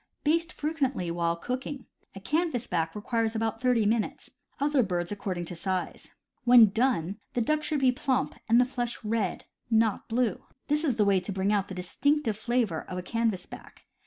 Baste frequently while cooking. A canvas back requires about thirty minutes; other birds accord ing to size. When done, the duck should be plump, and the flesh red, not blue. This is the way to bring out the distinctive flavor of a canvasback.